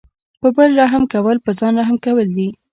په بل رحم کول په ځان رحم کول دي.